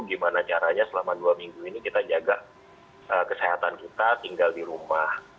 gimana caranya selama dua minggu ini kita jaga kesehatan kita tinggal di rumah